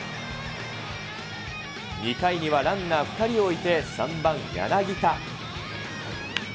２回にはランナー２人を置いて、３番柳田。